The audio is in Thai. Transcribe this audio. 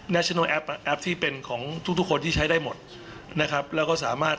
ชโนแอปแอปที่เป็นของทุกทุกคนที่ใช้ได้หมดนะครับแล้วก็สามารถ